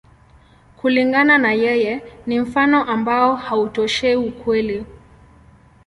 Kulingana na yeye, ni mfano ambao hautoshei ukweli.